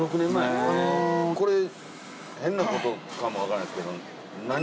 これ変な事かもわからないですけど。